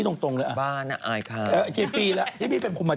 ๓๐แล้วเหรอมากนี้เออแล้ว